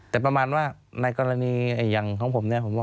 แต่ประมาณว่าในกรณีอย่างของผมเนี่ย